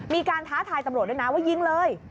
ท้าทายตำรวจด้วยนะว่ายิงเลย